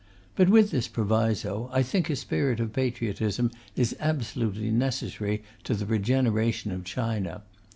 But with this proviso, I think a spirit of patriotism is absolutely necessary to the regeneration of China.